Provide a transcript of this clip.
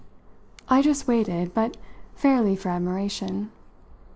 I just waited, but fairly for admiration.